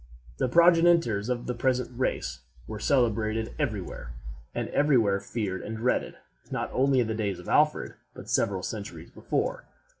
The progenitors of the present race were celebrated every where, and every where feared and dreaded, not only in the days of Alfred, but several centuries before.